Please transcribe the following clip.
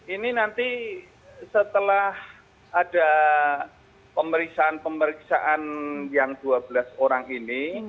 ini nanti setelah ada pemeriksaan pemeriksaan yang dua belas orang ini